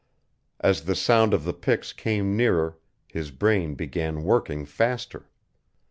As the sound of the picks came nearer his brain began working faster.